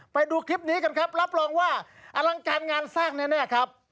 ไปดูคลิปนี้กันครับรับรองว่าอลังการงานสร้างแน่ครับ